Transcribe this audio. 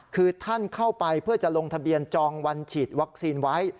คือท่านเข้าไปเพื่อจะลงทะเบียนจองวันฉีดวัคซีนไว้